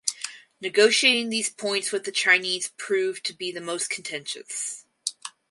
Negotiating these points with the Chinese proved to the most contentious.